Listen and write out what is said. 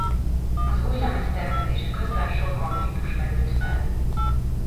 Az új lemez tervezése közben sok konfliktus merült fel.